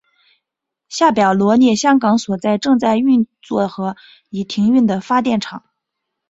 下表罗列香港所有正在运作和已停用的发电厂。